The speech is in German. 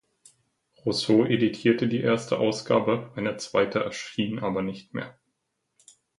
Rousseau editierte die erste Ausgabe, eine zweite erschien aber nicht mehr.